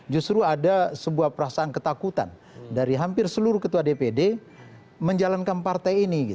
justru ada sebuah perasaan ketakutan dari hampir seluruh ketua dpd menjalankan partai ini